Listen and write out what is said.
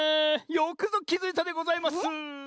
よくぞきづいたでございます。